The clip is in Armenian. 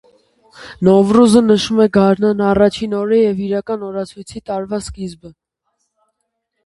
Նովրուզը նշում է գարնան առաջին օրը և իրանական օրացույցի տարվա սկիզբը։